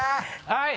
はい！